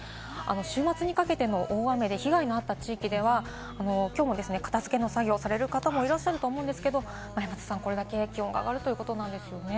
週末にかけての大雨で被害のあった地域では、きょうも片付けの作業をされる方もいらっしゃると思うんですけど、これだけ気温が上がるということなんですよね。